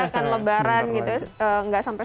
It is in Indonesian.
akan lebaran gitu gak sampai